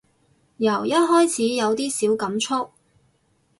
由一開始有啲小感觸